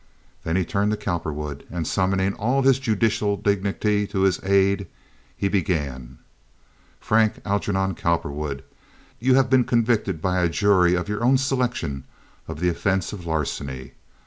Then he turned to Cowperwood, and, summoning all his judicial dignity to his aid, he began: "Frank Algernon Cowperwood, you have been convicted by a jury of your own selection of the offense of larceny.